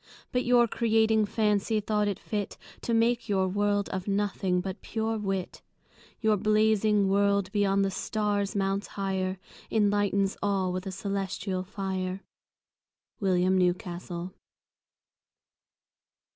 But your Creating Fancy, thought it fit To make your World of Nothing, but pure Wit. Your Blazing World, beyond the Stars mounts higher, Enlightens all with a Cœlestial Fier. William Newcastle.